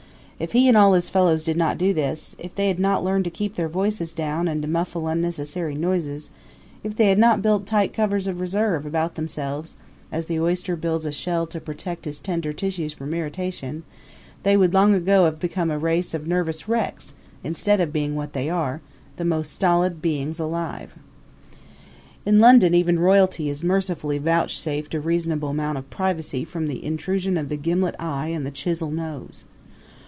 If he and all his fellows did not do this; if they had not learned to keep their voices down and to muffle unnecessary noises; if they had not built tight covers of reserve about themselves, as the oyster builds a shell to protect his tender tissues from irritation they would long ago have become a race of nervous wrecks instead of being what they are, the most stolid beings alive. In London even royalty is mercifully vouchsafed a reasonable amount of privacy from the intrusion of the gimlet eye and the chisel nose.